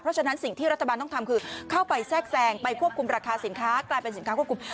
เพราะฉะนั้นสิ่งที่รัฐบาลต้องทำคือเข้าไปแทรกแซงไปควบคุมราคาสินค้ากลายเป็นสินค้าควบคุม